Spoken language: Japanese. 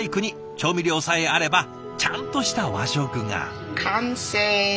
調味料さえあればちゃんとした和食が。